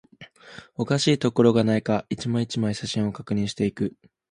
おかしいところがないか、一枚、一枚、写真を確認していく